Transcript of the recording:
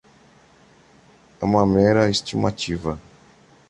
É uma mera estimativa.